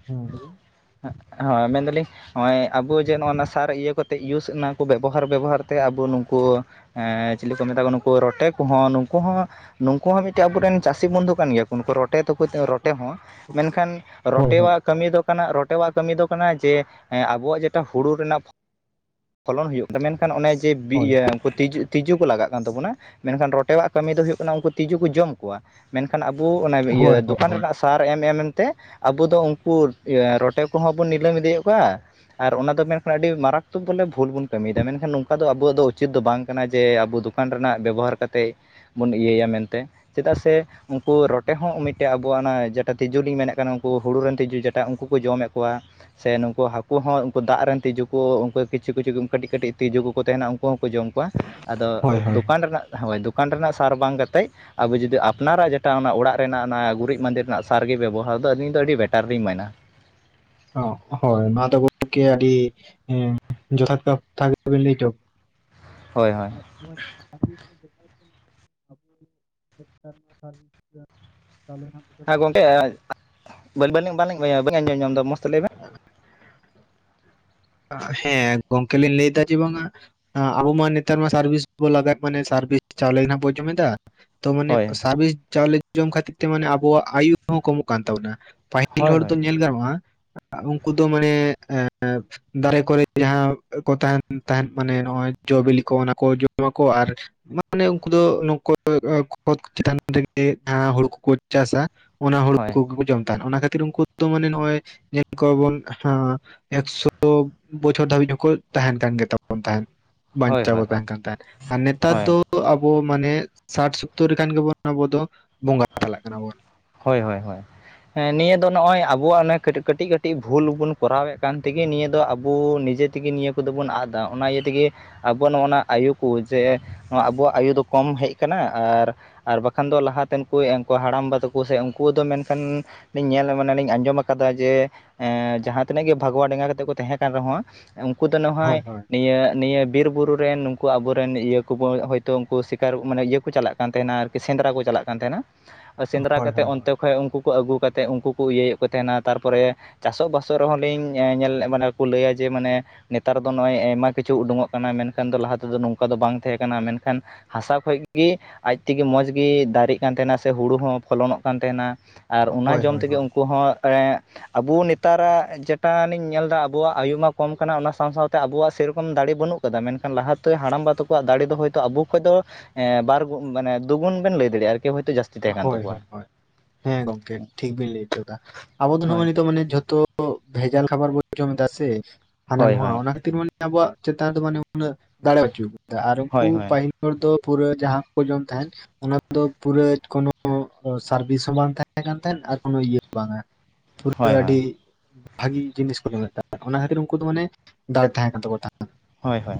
ᱦᱮᱸ ᱞᱟᱹᱭᱵᱮᱱ ᱦᱮᱸ ᱦᱳᱭ ᱢᱮᱱᱫᱟᱞᱤᱧ ᱱᱚᱜᱼᱚᱭ ᱟᱵᱚ ᱡᱮ ᱱᱚᱜᱼᱚᱭ ᱱᱚᱣᱟ ᱥᱟᱨ ᱤᱭᱟᱹᱛᱮᱫ ᱤᱭᱩᱥ ᱚᱱᱟ ᱠᱚ ᱵᱮᱵᱚᱦᱟᱨ ᱵᱮᱵᱚᱦᱟᱨ ᱛᱮ ᱟᱵᱚ ᱱᱩᱠᱩ ᱦᱮᱸ ᱪᱮᱞᱤ ᱠᱚ ᱢᱮᱛᱟᱜ ᱠᱚ ᱱᱩᱠᱩ ᱨᱚᱴᱮ ᱠᱚᱦᱚᱸ ᱱᱩᱠᱩ ᱦᱚᱸ ᱱᱩᱠᱩ ᱦᱚᱸ ᱢᱤᱫᱴᱮᱱ ᱟᱵᱚ ᱨᱮᱱ ᱪᱟᱹᱥᱤ ᱵᱚᱱᱫᱷᱩ ᱠᱟᱱ ᱜᱮᱭᱟ ᱠᱚ ᱩᱱᱠᱩ ᱨᱚᱴ ᱨᱚᱴᱮ ᱛᱮᱠᱚ ᱨᱚᱴᱮ ᱦᱚᱸ ᱢᱮᱱᱠᱷᱟᱱ ᱦᱳᱭ ᱦᱳᱭ ᱨᱚᱴᱮᱭᱟᱜ ᱠᱟᱹᱢᱤ ᱫᱚ ᱠᱟᱱᱟ ᱨᱚᱴ ᱴᱮᱭᱟᱜ ᱠᱟᱹᱢᱤ ᱫᱚ ᱠᱟᱱᱟ ᱡᱮ ᱟᱵᱚᱣᱟᱜ ᱡᱮᱴᱟ ᱦᱩᱲᱩ ᱨᱮᱱᱟᱜ ᱯᱷᱚ ᱯᱷᱚᱞᱚᱱ ᱦᱩᱭᱩᱜ ᱠᱟᱱᱟ ᱟᱫᱚ ᱢᱮᱱᱠᱷᱟᱱ ᱚᱱᱮ ᱡᱮ ᱦᱳᱭ ᱤᱭᱟᱹ ᱩᱱᱠᱩ ᱛᱤᱡᱩ ᱛᱤᱡᱩ ᱠᱚ ᱞᱟᱜᱟᱜ ᱠᱟᱱ ᱛᱟᱵᱚᱱᱟ ᱢᱮᱱᱠᱷᱟᱱ ᱨᱚᱴᱮᱭᱟᱜ ᱠᱟᱹᱢᱤ ᱫᱚ ᱦᱩᱭᱩᱜ ᱠᱟᱱᱟ ᱩᱱᱠᱩ ᱛᱤᱡᱩ ᱠᱚ ᱡᱚᱢ ᱠᱚᱣᱟ ᱢᱮᱱᱠᱷᱟᱱ ᱟᱵᱚ ᱚᱱᱟ ᱦᱳᱭ ᱤᱭᱟᱹ ᱦᱳᱭ ᱫᱚᱠᱟᱱ ᱦᱳᱭ ᱨᱮᱱᱟᱜ ᱥᱟᱨ ᱮᱢ ᱮᱢᱛᱮ ᱟᱵᱚ ᱫᱚ ᱩᱱᱠᱩ ᱨᱚᱴ ᱴᱮ ᱠᱚᱦᱚᱸ ᱵᱚᱱ ᱱᱤᱞᱟᱹᱢ ᱤᱫᱤᱭᱮᱫ ᱠᱚᱣᱟ ᱟᱨ ᱚᱱᱟ ᱫᱚ ᱢᱮᱱᱠᱷᱟᱱ ᱟᱹᱰᱤ ᱢᱟᱨᱟᱠᱛᱚᱠ ᱵᱚᱞᱮ ᱵᱷᱩᱞ ᱵᱚᱱ ᱠᱟᱹᱢᱤᱭᱮᱫᱟ ᱢᱮᱱᱠᱷᱟᱱ ᱱᱚᱝᱠᱟ ᱫᱚ ᱟᱵᱚᱣᱟᱜ ᱫᱚ ᱩᱪᱤᱛ ᱫᱚ ᱵᱟᱝ ᱠᱟᱱᱟ ᱡᱮ ᱟᱵᱚ ᱫᱚ ᱫᱚᱠᱟᱱ ᱨᱮᱱᱟᱜ ᱵᱮᱵᱚᱦᱟᱨ ᱠᱟᱛᱮᱫ ᱵᱚᱱ ᱤᱭᱟᱹᱭᱟ ᱢᱮᱱᱛᱮ ᱪᱮᱫᱟᱜ ᱥᱮ ᱩᱱᱠᱩ ᱨᱚᱴᱮ ᱦᱚᱸ ᱢᱤᱫᱴᱮᱱ ᱟᱵᱚᱣᱟᱜ ᱚᱱᱟ ᱡᱮᱴᱟ ᱛᱤᱡᱩ ᱞᱤᱧ ᱢᱮᱱᱮᱫ ᱠᱟᱱᱟ ᱩᱱᱠᱩ ᱦᱩᱲᱩ ᱨᱮᱱ ᱛᱤᱡᱩ ᱡᱮᱴᱟ ᱩᱱᱠᱩ ᱠᱚ ᱡᱚᱢᱮᱫ ᱠᱚᱣᱟ ᱠᱚᱣᱟᱜ ᱥᱮ ᱱᱩᱠᱩ ᱦᱟᱹᱠᱩ ᱦᱚᱸ ᱩᱱᱠᱩ ᱫᱟᱜ ᱨᱮᱱ ᱛᱤᱡᱩ ᱠᱚ ᱩᱱᱠᱩ ᱠᱤᱪᱷᱩ ᱠᱤᱪᱷᱩ ᱠᱟᱹᱴᱤᱡ ᱠᱟᱹᱴᱤᱡ ᱛᱤᱡᱩ ᱠᱚᱠᱚ ᱛᱟᱦᱮᱱᱟ ᱩᱱᱠᱩ ᱦᱚᱸᱠᱚ ᱡᱚᱢ ᱠᱚᱣᱟ ᱠᱚᱣᱟ ᱟᱫᱚ ᱦᱳᱭ ᱦᱳᱭ ᱫᱚᱠᱟᱱ ᱨᱮᱱᱟᱜ ᱦᱳᱭ ᱫᱚᱠᱟᱱ ᱨᱮᱱᱟᱜ ᱥᱟᱨ ᱵᱟᱝ ᱠᱟ ᱠᱟᱛᱮᱫ ᱟᱵᱚ ᱡᱩᱫᱤ ᱟᱯᱱᱟᱨᱟᱜ ᱡᱮᱴᱟ ᱚᱱᱟ ᱚᱲᱟᱜ ᱨᱮᱱᱟᱜ ᱚᱱᱟ ᱜᱩᱨᱤᱡ ᱢᱟᱸᱫᱮ ᱨᱮᱱᱟᱜ ᱥᱟᱨ ᱜᱮ ᱵᱮᱵᱚᱦᱟᱨ ᱫᱚ ᱟᱹᱞᱤᱧ ᱫᱚ ᱟᱹᱰᱤ ᱵᱮᱴᱟᱨ ᱞᱤᱧ ᱢᱮᱱᱟ ᱚ ᱦᱳᱭ ᱱᱚᱣᱟ ᱫᱚ ᱜᱚᱢᱠᱮ ᱟᱹᱰᱤ ᱦᱮᱸ ᱡᱚᱛᱷᱟᱛ ᱠᱟᱛᱷᱼᱛᱷᱟ ᱦᱳᱭ ᱦᱳᱭ [unintelligible] [unintelligible] ᱦᱮᱸ ᱜᱚᱝᱠᱮ ᱵᱟᱹᱞᱤ ᱵᱟᱹᱧ ᱟᱸᱡᱚᱢ ᱡᱚᱢ ᱫᱚ ᱢᱚᱸᱡᱽ ᱛᱮ ᱞᱟᱹᱭ ᱵᱮᱱ ᱦᱮᱸ ᱜᱚᱝᱠᱮ ᱞᱤᱧ ᱞᱟᱹᱭ ᱮᱫᱟ ᱡᱮ ᱵᱟᱝᱼᱟ ᱦᱚᱸ ᱟᱵᱩ ᱢᱟ ᱱᱮᱛᱟᱨ ᱢᱟ ᱥᱟᱨᱵᱷᱤᱥ ᱵᱚ ᱞᱟᱜᱟᱣ ᱮᱫ ᱢᱟᱱᱮ ᱥᱟᱨᱵᱤᱥ ᱪᱟᱣᱞᱤ ᱦᱚᱸ ᱱᱟᱦᱟᱸᱜ ᱵᱩᱱ ᱡᱚᱢ ᱮᱫᱟ ᱾ ᱛᱚ ᱢᱟᱱᱮ ᱦᱳᱭ ᱥᱟᱨᱵᱤᱥ ᱪᱟᱣᱞᱮ ᱡᱚᱢ ᱠᱷᱟᱹᱛᱤᱨ ᱛᱮ ᱢᱟᱱᱮ ᱟᱵᱚᱣᱟᱜ ᱟᱭᱩ ᱦᱚᱸ ᱠᱚᱢᱚᱜ ᱠᱟᱱ ᱛᱟᱵᱚᱱᱟ ᱯᱟᱹᱦᱤᱞ ᱦᱤᱞ ᱦᱳᱭ ᱦᱚᱲ ᱫᱚ ᱦᱳᱭ ᱧᱮᱞ ᱜᱟᱱᱚᱜᱼᱟ ᱩᱱᱠᱩ ᱫᱚ ᱢᱟᱱᱮ ᱮ ᱫᱟᱨᱮᱹ ᱠᱚᱨᱮᱹ ᱡᱟᱦᱟᱸ ᱠᱚ ᱛᱟᱦᱮᱸᱱ ᱛᱟᱦᱮᱸᱱ ᱢᱟᱱᱮ ᱱᱚᱜᱼᱚᱭ ᱡᱚ ᱵᱤᱞᱤ ᱠᱚ ᱚᱱᱟ ᱠᱚ ᱡᱚᱢ ᱟᱠᱚ ᱟᱨ ᱢᱟᱱᱮ ᱩᱱᱠᱩ ᱫᱚ ᱱᱩᱠᱩ ᱠᱷᱚᱛ ᱪᱮᱛᱟᱱ ᱨᱮᱜᱮ ᱡᱟᱦᱟᱸ ᱦᱩᱲᱩ ᱠᱚᱠᱚ ᱪᱟᱥᱟᱹ ᱚᱱᱟ ᱦᱩᱲᱩ ᱦᱳᱭ ᱠᱚᱜᱮ ᱠᱚ ᱡᱚᱢ ᱛᱟᱦᱮᱱᱟ ᱚᱱᱟ ᱠᱷᱟᱹᱛᱤᱨ ᱩᱱᱠᱩ ᱫᱚ ᱢᱟᱱᱮ ᱱᱚᱜᱼᱚᱭ ᱧᱮᱞ ᱠᱚᱣᱟ ᱵᱚᱱ ᱦᱟᱸ ᱮᱠᱥᱚ ᱛᱚ ᱵᱚᱪᱷᱚᱨ ᱫᱷᱟᱹᱵᱤᱡ ᱦᱚᱸᱠᱚ ᱛᱟᱦᱮᱸᱱ ᱠᱟᱱ ᱜᱮ ᱛᱟᱵᱚᱱ ᱛᱟᱦᱮᱸᱫ ᱦᱳᱭ ᱵᱟᱧᱪᱟᱣ ᱦᱳᱭ ᱠᱚ ᱛᱟᱦᱮᱸᱱ ᱠᱟᱱ ᱛᱟᱦᱮᱸᱫ ᱟᱨ ᱱᱮᱛᱟᱨ ᱦᱳᱭ ᱫᱚ ᱟᱵᱚ ᱢᱟᱱᱮ ᱥᱟᱴ ᱥᱳᱛᱳᱨ ᱨᱮᱠᱷᱟᱱ ᱜᱮ ᱵᱚᱱ ᱟᱵᱚ ᱫᱚ ᱵᱚᱸᱜᱟ ᱪᱟᱞᱟᱜ ᱠᱟᱱᱟ ᱵᱚᱱ ᱦᱳᱭ ᱦᱳᱭ ᱦᱳᱭ ᱦᱮᱸ ᱱᱤᱭᱟᱹ ᱫᱚ ᱱᱚᱜ ᱚᱭ ᱟᱵᱚᱣᱟᱜ ᱚᱱᱮ ᱠᱟᱹᱴᱤᱡ ᱠᱟᱹᱴᱤᱡ ᱵᱷᱩᱞ ᱵᱩᱱ ᱠᱚᱨᱟᱣ ᱮᱫ ᱠᱟᱱ ᱛᱮᱸᱜᱮ ᱱᱤᱭᱟ ᱫᱚ ᱟᱵᱚ ᱱᱤᱡᱮ ᱛᱮᱜᱮ ᱱᱤᱭᱟᱹ ᱠᱚᱫᱚ ᱵᱚᱱ ᱟᱫᱟ ᱚᱱᱟ ᱤᱭᱟᱹ ᱛᱮᱜᱮ ᱟᱵᱚᱣᱟᱜ ᱱᱚᱜᱼᱚ ᱱᱚᱣᱟ ᱟᱭᱩ ᱠᱚ ᱡᱮ ᱟᱵᱚᱣᱟᱜ ᱟᱭᱩ ᱫᱚ ᱠᱚᱢ ᱦᱮᱡ ᱠᱟᱱᱟ ᱟᱨ ᱟᱨ ᱵᱟᱠᱷᱟᱱ ᱫᱚ ᱞᱟᱦᱟᱛᱮᱱ ᱠᱚ ᱮᱱᱠᱩ ᱦᱟᱲᱟᱢᱵᱟ ᱛᱟᱠᱚ ᱩᱱᱠᱩ ᱥᱮ ᱩᱱᱠᱩ ᱫᱚ ᱢᱮᱱᱠᱷᱟᱱ ᱧᱮᱞ ᱢᱟᱱ ᱞᱤᱧ ᱟᱸᱡᱚᱢ ᱟᱠᱟᱫᱟ ᱡᱮ ᱮᱸ ᱡᱟᱦᱟᱸ ᱛᱤᱱᱟᱹᱜ ᱜᱮ ᱵᱷᱟᱜᱽᱣᱟ ᱰᱮᱸᱜᱟ ᱠᱟᱛᱮᱜ ᱠᱚ ᱛᱟᱦᱮᱸ ᱠᱟᱱ ᱨᱮᱦᱚᱸ ᱩᱱᱠᱩ ᱫᱚ ᱦᱳᱭ ᱱᱮᱦᱚᱭ ᱦᱳᱭ ᱱᱤᱭᱟᱹ ᱱᱤᱭᱟᱹ ᱵᱤᱨ ᱵᱩᱨᱩ ᱟ [unintelligible] ᱨᱮᱱ ᱱᱩᱠᱩ ᱟᱵᱚᱨᱮᱱ ᱤᱭᱟᱹ ᱠᱚᱵᱚ ᱦᱳᱭᱛᱚ ᱩᱱᱠᱩ ᱥᱤᱠᱟᱨ ᱢᱟᱱᱮ ᱤᱭᱟᱹᱠᱚ ᱪᱟᱞᱟᱜ ᱠᱟᱱ ᱛᱟᱦᱮᱱᱟ ᱟᱨᱠᱤ ᱥᱮᱸᱫᱽᱨᱟ ᱠᱚ ᱪᱟᱞᱟᱜ ᱠᱟᱱ ᱛᱟᱦᱮᱱᱟ [unintelligible] ᱥᱮᱸᱫᱽᱨᱟ ᱠᱟᱛᱮᱫ ᱦᱳᱭ ᱚᱱᱛᱮ ᱠᱷᱚᱱᱚᱡ ᱩᱱᱠᱩ ᱠᱚ ᱟᱹᱜᱩ ᱠᱟᱛᱮᱫ ᱩᱱᱠᱩ ᱠᱚ ᱤᱭᱟᱹᱭᱮᱫ ᱠᱚ ᱛᱟᱦᱮᱱᱟ ᱛᱟᱨᱯᱚᱨᱮ ᱪᱟᱥᱚᱜ ᱵᱟᱟᱥᱚᱜ ᱨᱮᱦᱚᱸ ᱞᱤᱧ ᱧᱮᱞ ᱢᱟᱱᱮ ᱠᱚ ᱞᱟᱹᱭᱟ ᱡᱮ ᱢᱟᱱᱮ ᱱᱮᱛᱟᱨ ᱫᱚ ᱱᱚᱜᱼᱚᱭ ᱟᱭᱢᱟ ᱠᱤᱪᱷᱩ ᱩᱰᱩᱠᱚᱜ ᱠᱟᱱᱟ ᱢᱮᱱᱠᱷᱟᱱ ᱫᱚ ᱞᱟᱦᱟ ᱛᱮᱫᱚ ᱱᱚᱝᱠᱟ ᱫᱚ ᱵᱟᱝ ᱛᱟᱦᱮᱸ ᱠᱟᱱᱟ ᱢᱮᱱᱠᱷᱟᱱ ᱦᱟᱥᱟ ᱠᱷᱚᱡᱜᱤ ᱟᱡ ᱛᱮᱜᱮ ᱢᱚᱸᱡᱽ ᱜᱤ ᱫᱟᱨᱮᱜ ᱠᱟᱱ ᱛᱟᱦᱮᱱᱟ ᱥᱮ ᱦᱩᱲᱩ ᱦᱚᱸ ᱯᱷᱚᱞᱚᱱᱚᱜ ᱠᱟᱱ ᱛᱟᱦᱮᱱᱟ ᱟᱨ ᱚᱱᱟ ᱦᱳᱭ ᱦᱳᱭ ᱡᱚᱢ ᱦᱳᱭ ᱛᱮᱜᱮ ᱩᱱᱠᱩ ᱦᱚᱸ ᱟᱵᱚ ᱱᱮᱛᱟᱨᱟᱜ ᱡᱮᱴᱟᱱᱤᱧ ᱧᱮᱞ ᱮᱫᱟ ᱟᱵᱚᱣᱟᱜ ᱟᱭᱩ ᱢᱟ ᱠᱚᱢ ᱠᱟᱱᱟ ᱚᱱᱟ ᱥᱟᱶ ᱥᱟᱶᱛᱮ ᱟᱵᱚᱣᱟᱜ ᱥᱮᱨᱚᱠᱚᱢ ᱫᱟᱲᱮ ᱵᱟᱹᱱᱩᱜ ᱠᱟᱫᱟ ᱢᱮᱱᱠᱷᱟᱱ ᱞᱟᱦᱟᱛᱮ ᱦᱟᱲᱟᱢᱵᱟ ᱛᱟᱠᱚᱣᱟᱜ ᱫᱟᱲᱮ ᱫᱚ ᱦᱚᱭᱛᱚ ᱟᱵᱚ ᱠᱷᱚᱡ ᱫᱚ ᱵᱟᱨᱩᱱ ᱢᱟᱱᱮ ᱫᱩ ᱜᱩᱱ ᱵᱮᱱ ᱞᱟᱹᱭ ᱫᱟᱲᱭᱟᱜ ᱟᱨᱠᱤ ᱦᱳ ᱡᱟᱥᱛᱤ ᱦᱳᱭ ᱦᱳᱭ ᱦ ᱦᱮᱸ ᱜᱚᱝᱠᱮ ᱴᱷᱤᱠ ᱵᱤᱱ ᱞᱟᱹᱭ ᱦᱚᱪᱚ ᱟ [inaudible] ᱟᱵᱚ ᱫᱚ ᱦᱳᱭ ᱱᱤᱛᱚ ᱢᱟᱱᱮ ᱡᱷᱚᱛᱚ ᱵᱷᱮᱡᱟᱞ ᱠᱷᱟᱵᱟᱨ ᱵᱚᱱ ᱡᱚᱢ ᱮᱫᱟ ᱥᱮ ᱦᱳᱭ ᱦᱟᱱᱟᱱᱣᱟ ᱦᱳᱭ ᱚᱱᱟ ᱠᱷᱟᱹᱛᱤᱨ ᱟᱵᱚᱣᱟᱜ ᱪᱮᱛᱟᱱ ᱨᱮ ᱢᱟᱱᱮ ᱩᱱᱟᱜ ᱫᱟᱲᱮ ᱯᱟᱪᱩᱜ ᱟᱨ ᱩᱱᱠᱩ ᱦᱳᱭ ᱦᱳᱭ ᱯᱟᱹᱦᱤᱞ ᱦᱚᱲ ᱫᱚ ᱯᱩᱨᱟᱹ ᱡᱟᱦᱟᱸ ᱠᱚ ᱡᱚᱢ ᱛᱟᱦᱮᱱ ᱚᱱᱟᱫᱚ ᱯᱩᱨᱟᱹ ᱠᱳᱱᱳ ᱥᱟᱨᱵᱷᱤᱥ ᱦᱚᱸ ᱵᱟᱝ ᱛᱟᱦᱮᱸ ᱠᱟᱱ ᱛᱟᱦᱮᱸᱫ ᱟᱨ ᱠᱳᱱᱚ ᱤᱭᱟᱹ ᱦᱚᱸ ᱵᱟᱝᱟ ᱯᱩᱨᱟᱹ ᱦᱳᱭ ᱟᱹᱰᱤ ᱦᱳᱭ ᱵᱷᱟᱜᱤ ᱡᱤᱱᱤᱥ ᱠᱚ ᱡᱚᱢ ᱮᱫ ᱛᱟᱦᱮᱸ ᱚᱱᱟ ᱠᱷᱟᱹᱛᱤᱨ ᱩᱱᱠᱩ ᱫᱚ ᱢᱟᱱᱮ ᱫᱟᱲᱮ ᱛᱟᱦᱮᱸ ᱠᱟᱱ ᱛᱟᱠᱚ ᱛᱟᱦᱮᱸᱱᱟ ᱦᱳᱭ ᱦᱳᱭ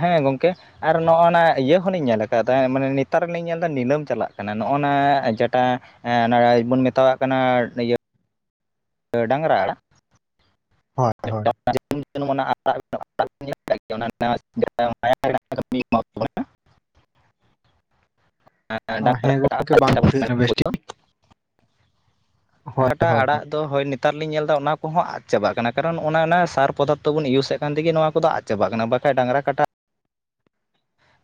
ᱦᱮᱸ ᱜᱚᱝᱠᱮ ᱠ [unintelligible] ᱟᱨ ᱱᱚᱜᱼᱚ ᱱᱤᱭᱟᱹ ᱦᱚᱸᱞᱤᱧ ᱧᱮᱞ ᱟᱠᱟᱫᱟ ᱢᱟᱱᱮ ᱱᱮᱛᱟᱨ ᱨᱮᱞᱤᱧ ᱧᱮᱞ ᱮᱫᱟ ᱱᱤᱞᱟᱹᱢ ᱪᱟᱞᱟᱜ ᱠᱟᱱᱟ ᱱᱚᱜᱼᱚ ᱱᱮ ᱡᱴᱟ [unintelligible] ᱵᱚᱱ ᱢᱮᱛᱟᱣᱟᱜ ᱠᱟᱱᱟ ᱰᱟᱝᱨᱟ ᱦᱳᱭ ᱦᱳᱭ ᱮᱴ [unintelligible] ᱚᱱᱟ ᱢᱟᱭ [inaudible] ᱠᱟᱹ [inaudible] ᱮᱢᱟ [inaudible] [inaudible] ᱦᱮ ᱰᱟᱝᱨᱟ ᱜᱚᱢᱠᱮ ᱴᱷᱤᱠᱟᱹᱱᱟ ᱠᱟᱱᱟ ᱵᱮᱥᱴᱮᱠ ᱦᱳᱭ ᱦᱟᱴᱟᱜ ᱦᱳᱭ ᱟᱲᱟᱜ ᱫᱚ ᱦᱳᱭ ᱱᱮᱛᱟᱨ ᱞᱤᱧ ᱧᱮᱞᱫᱟ ᱚᱱᱟ ᱠᱚᱦᱚᱸ ᱟᱫ ᱪᱟᱵᱟᱜ ᱠᱟᱱᱟ ᱠᱟᱨᱚᱱ ᱚᱱᱟ ᱥᱟᱨ ᱯᱚᱫᱟᱨᱛᱷᱚ ᱵᱚᱱ ᱤᱭᱩᱡᱮᱫ ᱠᱟᱱ ᱛᱮᱜᱮ ᱱᱚᱣᱟ ᱠᱚᱫᱚ ᱟᱫ ᱪᱟᱵᱟᱜ ᱠᱟᱱᱟ ᱵᱟᱠᱷᱟᱡ ᱰᱟᱝᱨᱟ ᱠᱟᱴᱟ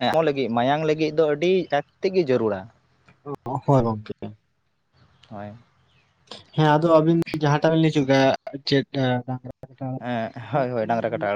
ᱮᱢᱚᱜ ᱞᱟᱹᱜᱤᱫ ᱢᱟᱭᱟᱝ ᱞᱟᱹᱜᱤᱫ ᱫᱚ ᱟᱹᱰᱤ ᱮᱠ [unintelligible] ᱛᱮᱜ ᱜᱮ ᱡᱟᱹᱨᱩᱲᱟ ᱚ ᱦᱚᱭ ᱜᱚᱝᱠᱮ ᱦᱳᱭ ᱦᱮᱸ ᱟᱫᱚ ᱟᱹᱵᱤᱱ ᱡᱟᱦᱟᱸᱟᱸᱴᱟᱜ ᱵᱤᱱ ᱞᱟᱹᱭ ᱦᱚᱪᱚ ᱠᱮᱭᱟ ᱪᱮᱫ ᱰᱟᱝᱨᱟ ᱠᱟᱴᱟ ᱟᱲᱟᱜ ᱛᱤᱠᱤ, ᱦ ᱚᱱᱟ ᱫᱚ ᱦᱚᱭ ᱢᱟᱱᱮ ᱰᱟᱝᱨ ᱟᱞᱮ ᱠᱟᱴᱟᱜ